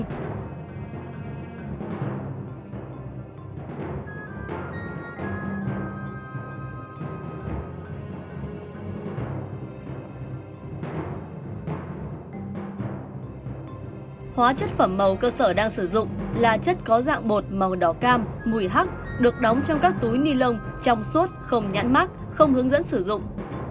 hóa chất phẩm màu cơ sở đang sử dụng là chất có dạng bột màu đỏ cam mùi hắc được đóng trong các túi ni lông trong suốt không nhãn mắc không hướng dẫn sử dụng